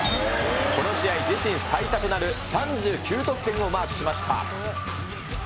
この試合、自身最多となる３９得点をマークしました。